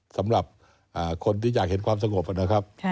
สำหรับคนที่อยากเห็นความสงบนะครับ